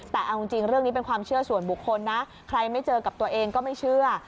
แต่เอาจริงเรื่องนี้เป็นความเชื่อส่วนบุคคลนะใครไม่เจอกับตัวเองก็ไม่เชื่อ